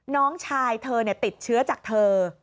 น้องชายเธอติดเชื้อจากเธอ